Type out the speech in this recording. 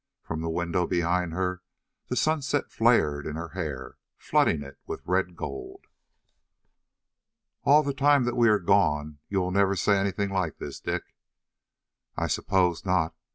From the window behind her the sunset light flared in her hair, flooding it with red gold. "All the time that we are gone, you will never say things like this, Dick?" "I suppose not.